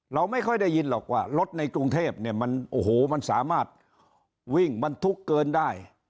เราไม่ค่อยได้ยินหรอกว่ารถในกรุงเทพเนี่ยมันโอ้โหมันสามารถวิ่งบรรทุกเกินได้